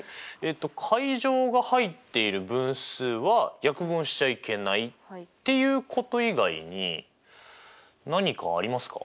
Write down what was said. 階乗が入っている分数は約分しちゃいけないっていうこと以外に何かありますか？